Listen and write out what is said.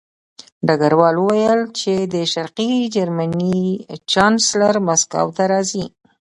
ډګروال وویل چې د شرقي جرمني چانسلر مسکو ته راځي